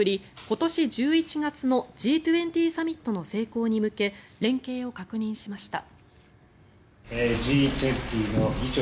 今年１１月のＧ２０サミットの成功に向け連携を確認しました。